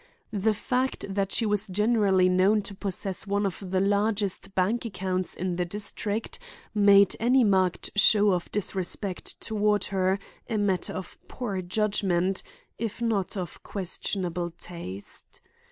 The fact that she was generally known to possess one of the largest bank accounts in the District, made any marked show of disrespect toward her a matter of poor judgment, if not of questionable taste.